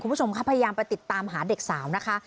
คุณผู้ชมครับพยายามไปติดตามหาเด็กสาวนะคะ